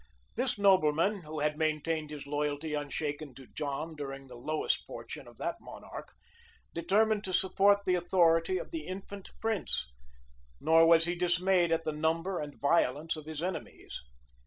This nobleman, who had maintained his loyalty unshaken to John during the lowest fortune of that monarch, determined to support the authority of the infant prince; nor was he dismayed at the number and violence of his enemies.